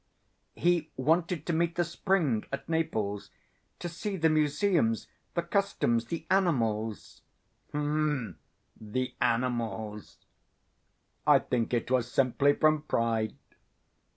Hm!" "He wanted to meet the spring at Naples, to see the museums, the customs, the animals...." "Hm! The animals! I think it was simply from pride.